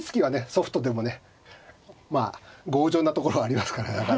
ソフトでもねまあ強情なところはありますからね。